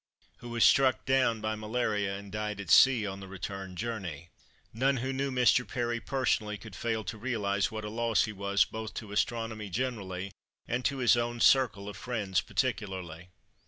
who was struck down by malaria and died at sea on the return journey. None who knew Mr. Perry personally could fail to realise what a loss he was both to astronomy generally and to his own circle of friends particularly.